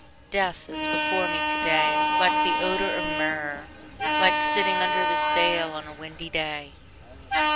Death is before me today Like the odor of myrrh, Like sitting under the sail on a windy day.